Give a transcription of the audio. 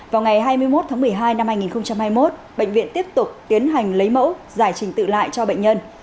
vào ngày hai mươi một tháng một mươi hai năm hai nghìn hai mươi một bệnh viện tiếp tục tiến hành lấy mẫu giải trình tự lại cho bệnh nhân